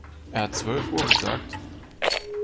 Er hat zwölf Uhr gesagt?